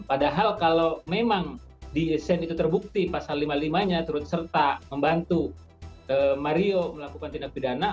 padahal kalau memang di sen itu terbukti pasal lima puluh lima nya turut serta membantu mario melakukan tindak pidana